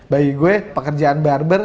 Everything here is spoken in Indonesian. bagi gue pekerjaan barbers